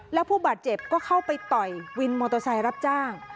แล้วผู้บาดเจ็บก็เข้าไปต่อยวินมอเตอร์ไซค์รับจ้าง